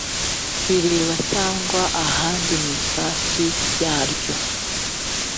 bireba cyangwa ahandi mu ifasi yarwo